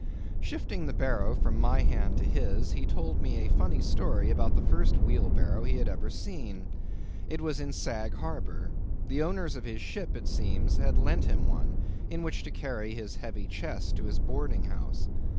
Shifting the barrow from my hand to his, he told me a funny story about the first wheelbarrow he had ever seen. It was in Sag Harbor. The owners of his ship, it seems, had lent him one, in which to carry his heavy chest to his boarding house.